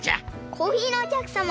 コーヒーのおきゃくさま。